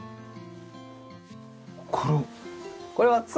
これは？